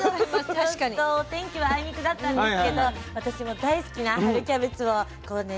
ちょっとお天気はあいにくだったんですけど私も大好きな春キャベツをこうね調べてきました。